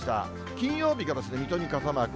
金曜日が水戸に傘マーク。